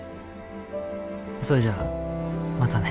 それじゃあまたね。